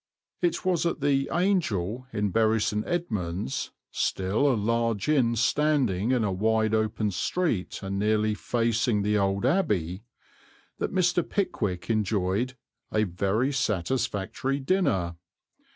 It was at the "Angel" in Bury St. Edmunds, still "a large inn standing in a wide open street, and nearly facing the Old Abbey," that Mr. Pickwick enjoyed "a very satisfactory dinner."